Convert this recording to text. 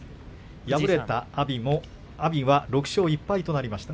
敗れた阿炎は６勝１敗となりました。